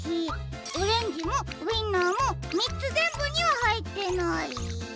オレンジもウインナーもみっつぜんぶにははいってない。